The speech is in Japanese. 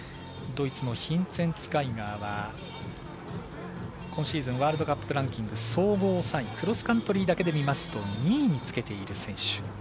ドイツのガイガーは今シーズンワールドカップランキング総合３位クロスカントリーだけで見ますと２位につけている選手。